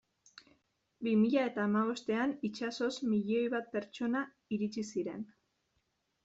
Bi mila eta hamabostean itsasoz milioi bat pertsona iritsi ziren.